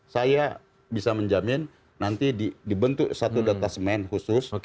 saya bisa menjamin nanti dibentuk satu detasmen khusus